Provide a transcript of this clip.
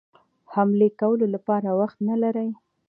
حملې کولو لپاره وخت نه لري.